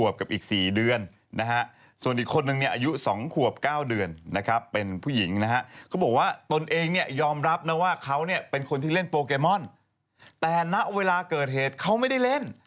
ไปเล่นโปรแกมอนแต่นักเวลาเกิดเหตุเขาไม่ได้เล่น